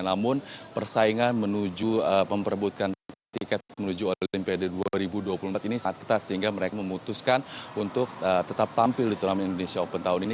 namun persaingan menuju memperebutkan tiket menuju olimpiade dua ribu dua puluh empat ini sangat ketat sehingga mereka memutuskan untuk tetap tampil di turnamen indonesia open tahun ini